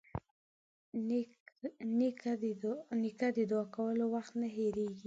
نیکه د دعا کولو وخت نه هېرېږي.